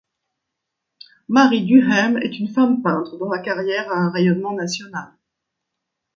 Marie Duhem est une femme peintre dont la carrière a un rayonnement national.